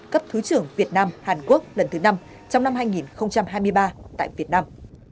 cấp thứ trưởng việt nam hàn quốc lần thứ năm trong năm hai nghìn hai mươi ba tại việt nam